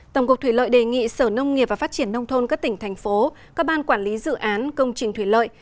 tổng cục thủy lợi đề nghị sở nông nghiệp và phát triển nông thôn các tỉnh thành phố các ban quản lý dự án công trình thủy lợi